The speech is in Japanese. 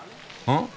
ん？